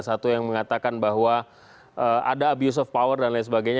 satu yang mengatakan bahwa ada abuse of power dan lain sebagainya